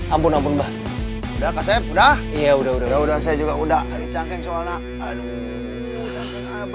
ampun ampun udah udah udah udah saya juga udah ada canggeng soalnya aduh